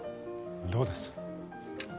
どうです？